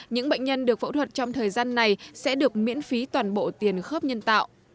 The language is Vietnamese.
những bệnh nhân được phẫu thuật trong thời gian này sẽ được miễn phí toàn bộ tiền khớp nhân tạo